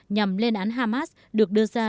nhằm lên án hamas được đưa ra